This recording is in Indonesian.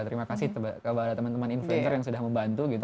terima kasih kepada teman teman influencer yang sudah membantu gitu